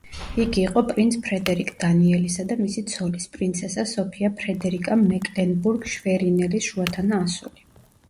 იგი იყო პრინც ფრედერიკ დანიელისა და მისი ცოლის, პრინცესა სოფია ფრედერიკა მეკლენბურგ-შვერინელის შუათანა ასული.